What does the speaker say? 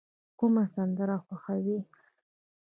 کومه سندره خوښوئ؟